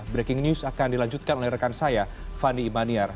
breaking news akan dilanjutkan oleh rekan saya fandi ibaniar